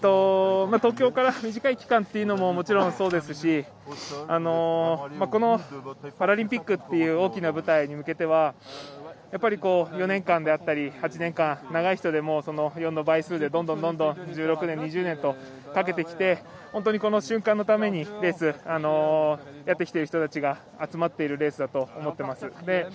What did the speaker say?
東京から短い期間というのももちろんそうですしこのパラリンピックという大きな舞台に向けては４年間であったり８年間長い人でも４の倍数でどんどん１６年２０年とかけてきてこの瞬間のためにレースをやってきている人たちが集まっているレースだと思います。